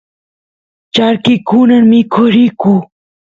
charki kunan mikoq riyku